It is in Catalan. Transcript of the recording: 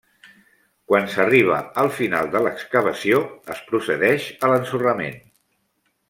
Quan s'arriba al final de l'excavació, es procedeix a l'ensorrament.